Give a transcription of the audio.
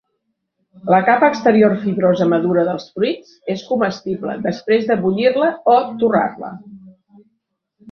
La capa exterior fibrosa madura dels fruits és comestible després de bullir-la o torrar-la.